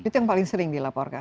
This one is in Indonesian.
itu yang paling sering dilaporkan